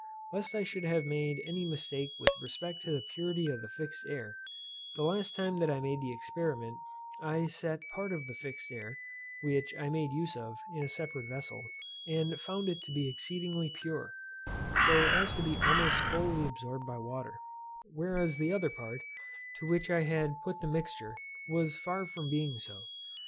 Lest I should have made any mistake with respect to the purity of the fixed air, the last time that I made the experiment, I set part of the fixed air, which I made use of, in a separate vessel, and found it to be exceedingly pure, so as to be almost wholly absorbed by water; whereas the other part, to which I had put the mixture, was far from being so.